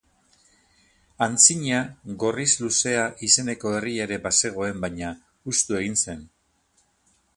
Antzina, Gorriz-Luzea izeneko herria ere bazegoen, baina hustu egin zen.